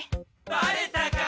バレたか！